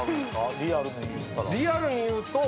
リアルにいうと。